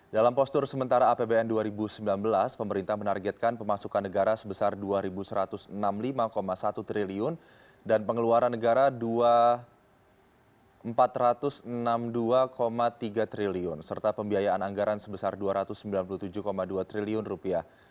dalam postur sementara apbn dua ribu sembilan belas pemerintah menargetkan pemasukan negara sebesar dua satu ratus enam puluh lima satu triliun dan pengeluaran negara empat ratus enam puluh dua tiga triliun serta pembiayaan anggaran sebesar dua ratus sembilan puluh tujuh dua triliun rupiah